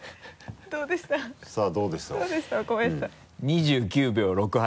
２９秒６８。